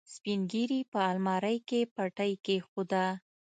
سپينږيري په المارۍ کې پټۍ کېښوده.